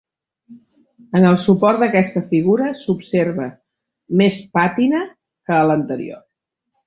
En el suport d'aquesta figura s'observa més pàtina que a l'anterior.